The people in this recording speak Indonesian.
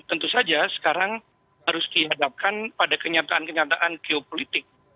tentu saja sekarang harus dihadapkan pada kenyataan kenyataan geopolitik